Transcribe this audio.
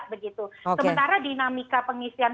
begitu sementara dinamika pengisian